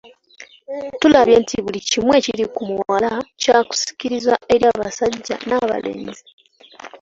Tulabye nti buli kimu ekiri ku muwala kya kusikiriza eri abasajja n'abalenzi.